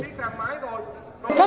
thất tuyên truyền